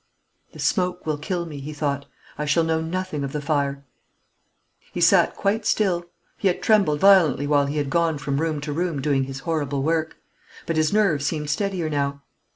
"The smoke will kill me," he thought. "I shall know nothing of the fire." He sat quite still. He had trembled violently while he had gone from room to room doing his horrible work; but his nerves seemed steadier now.